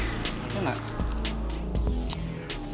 bener juga ya